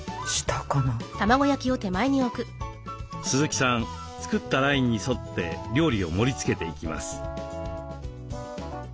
鈴木さん作ったラインに沿って料理を盛りつけていきます。